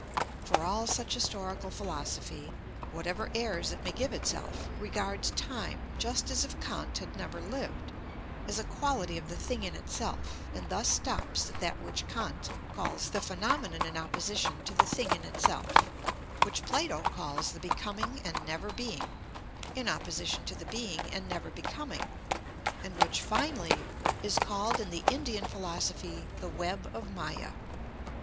For all such historical philosophy, whatever airs it may give itself, regards time just as if Kant had never lived, as a quality of the thing in itself, and thus stops at that which Kant calls the phenomenon in opposition to the thing in itself; which Plato calls the becoming and never being, in opposition to the being and never becoming; and which, finally, is called in the Indian philosophy the web of Mâya.